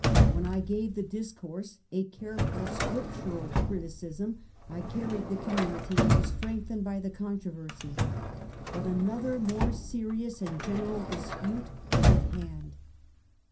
Wlien I gave the dis course a careful Scriptural criticism, I carried the community, and was strengthened by the controversy. But another, more serious and general dispute was at hand.